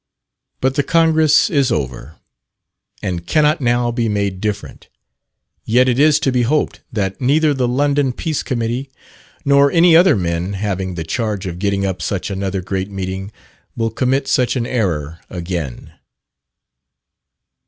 But the Congress is over, and cannot now be made different; yet it is to be hoped that neither the London Peace Committee, nor any other men having the charge of getting up such another great meeting, will commit such an error again.